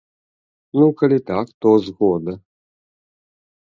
Ну, калі так, то згода!